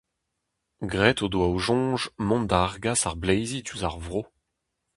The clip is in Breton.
Graet o doa o soñj mont da argas ar bleizi diouzh ar vro.